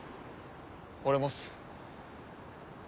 俺もっす。